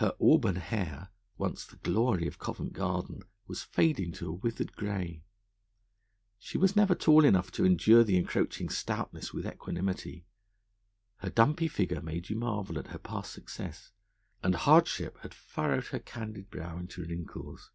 Her auburn hair, once the glory of Covent Garden, was fading to a withered grey; she was never tall enough to endure an encroaching stoutness with equanimity; her dumpy figure made you marvel at her past success; and hardship had furrowed her candid brow into wrinkles.